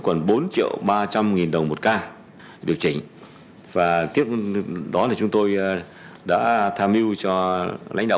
cách điều kiện giảm giá liên kết liên kết liên cết và thực hiện điều chỉnh giảm giá células liên kết